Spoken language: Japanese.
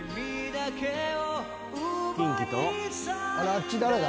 あっち誰だ？